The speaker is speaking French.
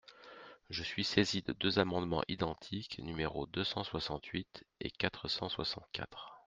Je suis saisi de deux amendements identiques, numéros deux cent soixante-huit et quatre cent soixante-quatre.